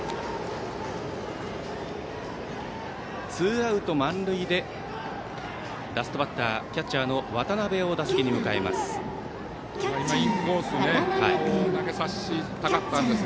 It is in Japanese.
ツーアウト満塁でラストバッターキャッチャーの渡辺を打席に迎えます。